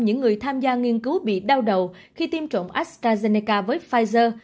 và chỉ người tham gia nghiên cứu bị đau đầu khi tiêm trộn astrazeneca với pfizer